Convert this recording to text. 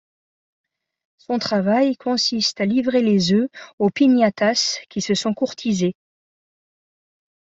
Son travail consiste à livrer les œufs aux piñatas qui se sont courtisées.